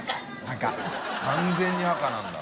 屐屐完全に赤なんだ。